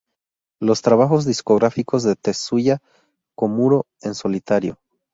Los trabajos discográficos de Tetsuya Komuro en solitario.